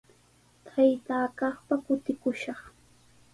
Taytaa kaqpa kutikushaq.